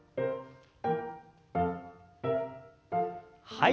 はい。